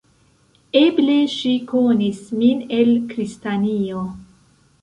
Eble ŝi konis min el Kristianio.